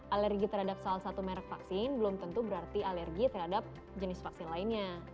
alergi terhadap salah satu merek vaksin belum tentu berarti alergi terhadap jenis vaksin lainnya